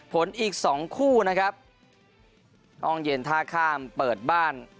อีกสองคู่นะครับห้องเย็นท่าข้ามเปิดบ้าน